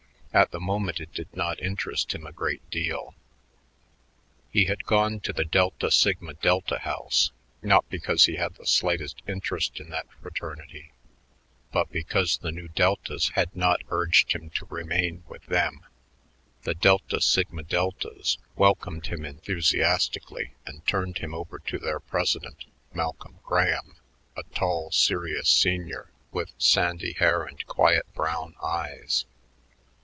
At the moment it did not interest him a great deal. He had gone to the Delta Sigma Delta house, not because he had the slightest interest in that fraternity but because the Nu Deltas had not urged him to remain with them. The Delta Sigma Deltas welcomed him enthusiastically and turned him over to their president, Malcolm Graham, a tall serious senior with sandy hair and quiet brown eyes.